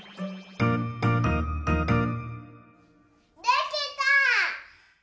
できた！